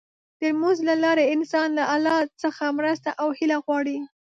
د لمونځ له لارې انسان له الله څخه مرسته او هيله غواړي.